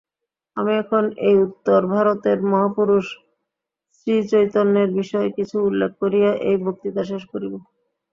আমি এখন এই উত্তরভারতের মহাপুরুষ শ্রীচৈতন্যের বিষয় কিছু উল্লেখ করিয়া এই বক্তৃতা শেষ করিব।